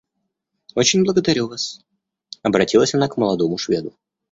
Очень благодарю вас, — обратилась она к молодому Шведу.